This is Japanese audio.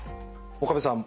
岡部さん